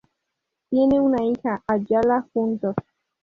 Tienen una hija, Ayala, juntos.